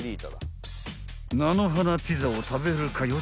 ［菜の花ピザを食べるかよ